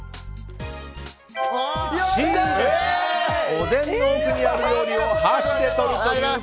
お膳の奥にある料理を箸で取る。